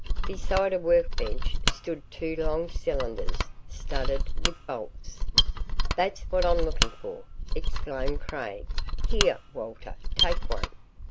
Beside a workbench stood two long cylinders, studded with bolts. "That's what I'm looking for," exclaimed Craig. "Here, Walter, take one.